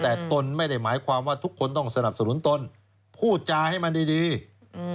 แต่ตนไม่ได้หมายความว่าทุกคนต้องสนับสนุนตนพูดจาให้มันดีดีอืม